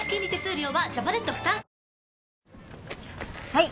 はい。